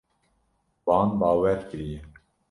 Wan bawer kiriye.